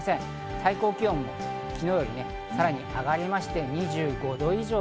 最高気温も昨日よりさらに上がって２５度以上。